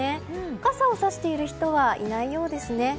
傘をさしている人はいないようですね。